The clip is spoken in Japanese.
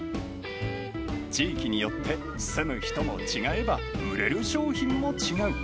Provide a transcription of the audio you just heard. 地域によって、住む人も違えば、売れる商品も違う。